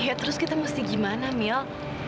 iya terus kita mesti gimana mial